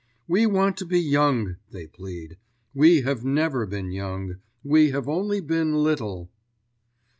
"We want to be young," they plead. "We have never been young. We have only been little."